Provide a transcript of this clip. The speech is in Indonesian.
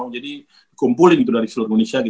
jadi dikumpulin dari seluruh indonesia